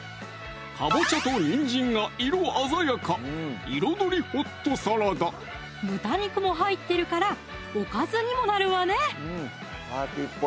かぼちゃとにんじんが色鮮やか豚肉も入ってるからおかずにもなるわね